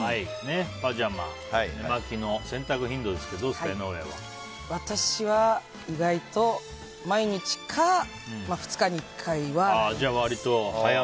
パジャマ・寝間着の洗濯頻度ですけど私は意外と毎日か２日に１回は洗ってます。